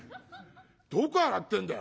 どこ洗ってんだよ」。